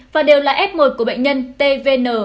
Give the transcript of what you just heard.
và đều là f một của bệnh nhân tvn